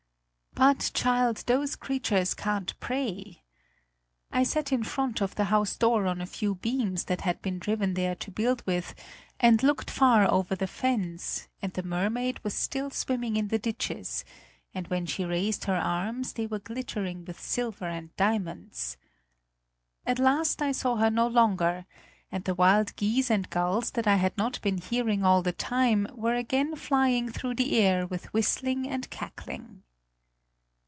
But, child, those creatures can't pray. I sat in front of the house door on a few beams that had been driven there to build with, and looked far over the fens; and the mermaid was still swimming in the ditches, and when she raised her arms, they were glittering with silver and diamonds. At last I saw her no longer, and the wild geese and gulls that I had not been hearing all the time were again flying through the air with whistling and cackling."